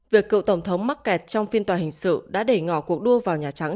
việc cựu tổng thống mắc kẹt trong phiên tòa hình sự đã để ngỏ cuộc đua vào nhà trắng